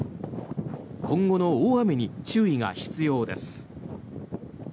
今後の大雨に注意が必要です。